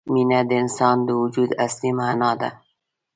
مینه د انسان د وجود اصلي معنا ده.